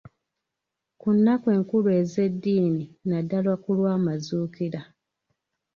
Ku nnaku enkulu ez'eddiini, naddala ku lw'amazuukira.